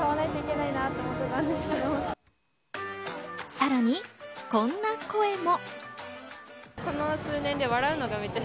さらにこんな声も。